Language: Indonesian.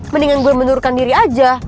mendingan gue mundurkan diri aja